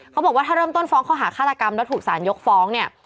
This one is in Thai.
เขาบอกว่าถ้าเริ่มต้นฟ้องข้อหาฆาตกรรมแล้วถูกสารยกฟ้องเนี่ย